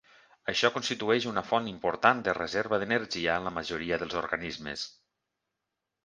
Això constitueix una font important de reserva d'energia en la majoria dels organismes.